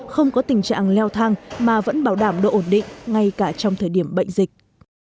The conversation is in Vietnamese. không có tình trạng leo thang mà vẫn bảo đảm độ ổn định ngay cả trong thời điểm bệnh dịch